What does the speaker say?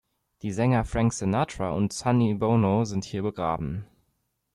Die Sänger Frank Sinatra und Sonny Bono sind hier begraben.